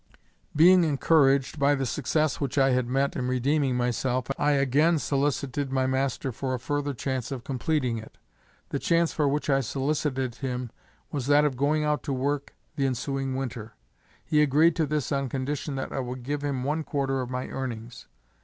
Being encouraged by the success which I had met in redeeming myself, I again solicited my master for a further chance of completing it. The chance for which I solicited him was that of going out to work the ensuing winter. He agreed to this on condition that I would give him one quarter of my earnings.